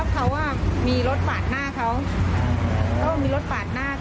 เขาบอกว่าเขารับผิดชอบ